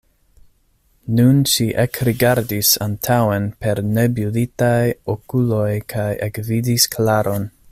Nun ŝi ekrigardis antaŭen per nebulitaj okuloj kaj ekvidis Klaron.